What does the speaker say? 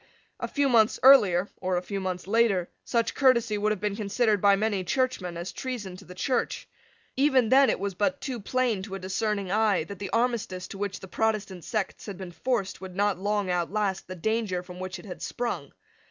A few months earlier, or a few months later, such courtesy would have been considered by many Churchmen as treason to the Church. Even then it was but too plain to a discerning eye that the armistice to which the Protestant sects had been forced would not long outlast the danger from which it had sprung.